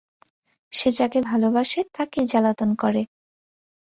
সে যাকে ভালোবাসে তাকেই জ্বালাতন করে।